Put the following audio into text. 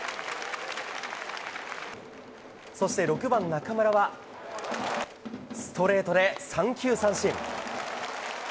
そして６番、中村はストレートで三球三振。